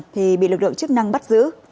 thì bị lực lượng chức năng bắt giữ